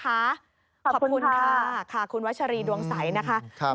ขอบคุณค่ะค่ะคุณวัชรีดวงใสนะคะ